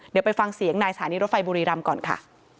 เดี๋ยวไปฟังเสียงนายสถานีรถไฟบุรีรำก่อนค่ะ